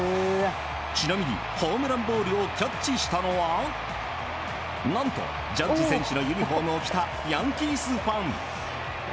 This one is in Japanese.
ちなみにホームランボールをキャッチしたのは何と、ジャッジ選手のユニホームを着たヤンキースファン。